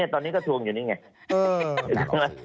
ตอนนี้ก็ทวงอยู่นี่ไง